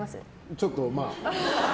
ちょっと、まあ。